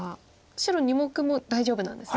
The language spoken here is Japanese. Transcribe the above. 白２目も大丈夫なんですね。